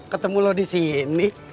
ketemu lo di sini